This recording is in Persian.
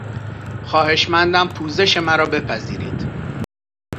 خواهشمندم پوزش مرا بپذیرید.